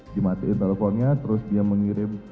dimatiin teleponnya terus dia mengirim